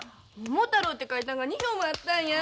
桃太郎て書いたんが２票もあったんや。